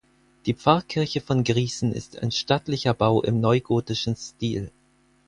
Die Pfarrkirche von Grießen ist ein stattlicher Bau im neugotischen Stil.